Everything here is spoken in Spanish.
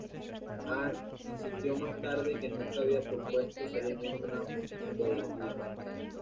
Arndt insistió más tarde que nunca había propuesto seriamente una voladura.